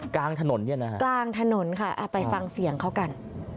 กลางถนนเนี่ยนะฮะกลางถนนค่ะไปฟังเสียงเขากัน